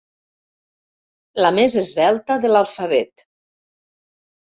La més esvelta de l'alfabet.